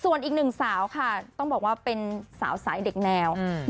ส่วนอีก๑สาวต้องบอกว่าเป็นสาวสายเด็กแนว